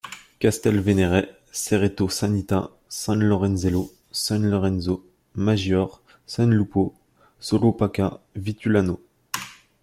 Castelvenere, Cerreto Sannita, San Lorenzello, San Lorenzo Maggiore, San Lupo, Solopaca, Vitulano.